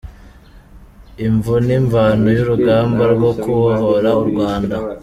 Imvo n’imvano y’urugamba rwo kubohora u Rwanda